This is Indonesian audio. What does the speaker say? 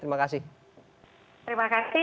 terima kasih assalamualaikum warahmatullahi wabarakatuh